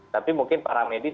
tapi mungkin para medis